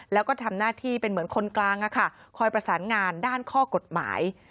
แล้วก็ทำหน้าที่เป็นเหมือนคนกลางคอยประสานงานด้านข้อกฎหมาย